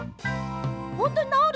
ほんとになおる？